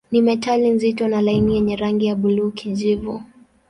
Ni metali nzito na laini yenye rangi ya buluu-kijivu.